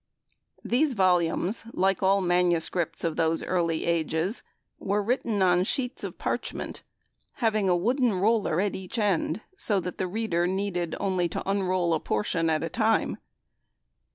These volumes, like all manuscripts of those early ages, were written on sheets of parchment, having a wooden roller at each end so that the reader needed only to unroll a portion at a time.